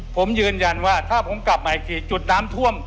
ผมยืนยันว่าถ้าผมกลับมาอีกทีจุดน้ำท่วม